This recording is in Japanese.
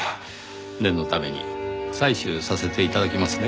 念のために採取させて頂きますね。